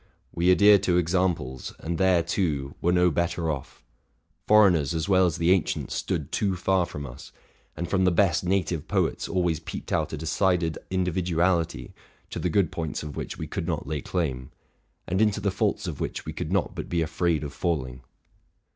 We adhere to examples, and there, too, were no better off ; foreigners as well as the ancients stood too far from us; and from the best native poets always peeped out a decided individuality, to the good points of which we could not lay claim, and into the faults of which we could not but be afraid of falling.